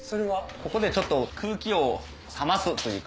ここでちょっと空気を冷ますというか。